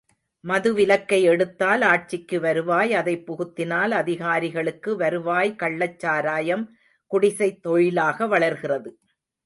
மதுவிலக்கை எடுத்தால் ஆட்சிக்கு வருவாய் அதைப் புகுத்தினால் அதிகாரிகளுக்கு வருவாய் கள்ளச் சாராயம் குடிசைத் தொழிலாக வளர்கிறது.